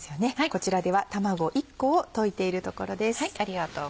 こちらでは卵１個を溶いているところです。